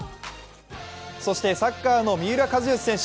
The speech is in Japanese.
サッカーの三浦知良選手